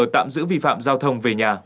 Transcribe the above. tạm giữ vi phạm giao thông về nhà